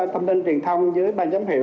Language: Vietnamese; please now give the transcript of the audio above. thông tin truyền thông dưới ban giám hiệu